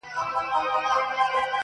له نېستۍ به سې فارغ په زړه به ښاد سې،